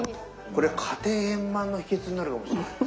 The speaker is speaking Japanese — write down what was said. これ家庭円満の秘けつになるかもしれません。